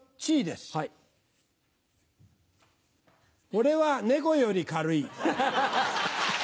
俺は猫より軽い。